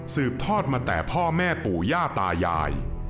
ทอดมาแต่พ่อแม่ปู่ย่าตายาย